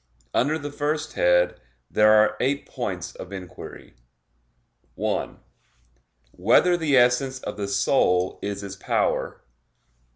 Under the first head there are eight points of inquiry: (1) Whether the essence of the soul is its power?